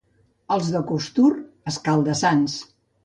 Els de Costur, escalda-sants.